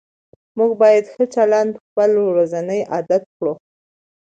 موږ باید ښه چلند خپل ورځنی عادت کړو